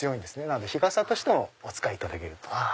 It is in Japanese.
なので日傘としてもお使いいただける。